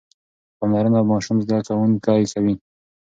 پاملرنه ماشوم زده کوونکی کوي.